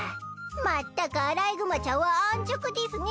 まったくアライグマちゃんは安直ですね。